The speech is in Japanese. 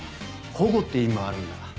「保護」って意味もあるんだ。